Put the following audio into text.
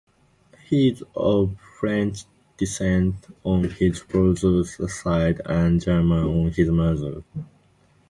He is of French descent on his father's side and German on his mother's.